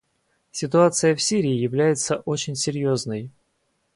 Ситуация в Сирии является очень серьезной.